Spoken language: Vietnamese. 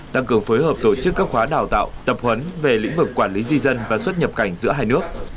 tăng cường phối hợp tổ chức các khóa đào tạo tập huấn về lĩnh vực quản lý di dân và xuất nhập cảnh giữa hai nước